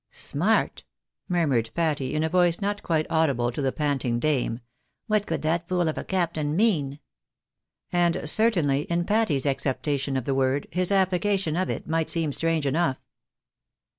Smart," murmured Patty, in a voice not quite audible to the panting dame, " what could that fool of a captain mean ?" And certainly, in Patty's acceptation of the word, his application of it might seem strange enough.